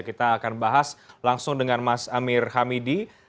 kita akan bahas langsung dengan mas amir hamidi